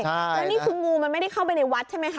แล้วนี่คืองูมันไม่ได้เข้าไปในวัดใช่ไหมคะ